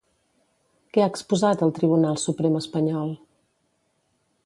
Què ha exposat al Tribunal Suprem espanyol?